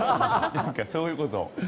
そういうことを。